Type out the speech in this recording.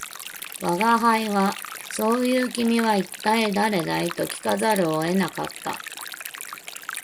吾輩は「そう云う君は一体誰だい」と聞かざるを得なかった